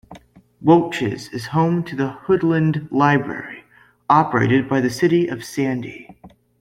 Welches is home to the Hoodland library, operated by the city of Sandy.